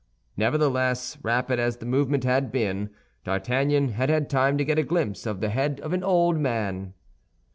Nevertheless, rapid as the movement had been, D'Artagnan had had time to get a glimpse of the head of an old man.